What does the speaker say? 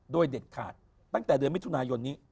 โดยเด็ดขาดตั้งแต่เดือนมิถุนายนนี้